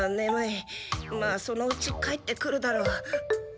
まあそのうち帰ってくるだろう。